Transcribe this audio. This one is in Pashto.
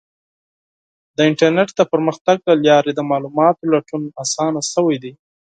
د انټرنیټ د پرمختګ له لارې د معلوماتو لټون اسانه شوی دی.